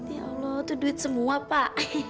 ya allah itu duit semua pak